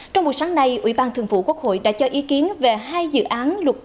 trong buổi sáng nay ủy ban thường vụ quốc hội đã cho ý kiến về hai dự án luật